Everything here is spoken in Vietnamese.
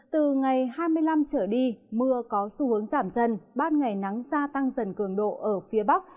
từ ngày hai mươi năm trở đi mưa có xu hướng giảm dần ban ngày nắng gia tăng dần cường độ ở phía bắc